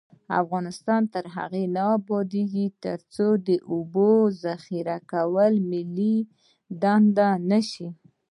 افغانستان تر هغو نه ابادیږي، ترڅو د اوبو ذخیره کول ملي دنده نشي.